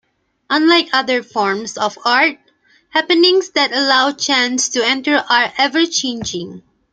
Unlike other forms of art, Happenings that allow chance to enter are ever-changing.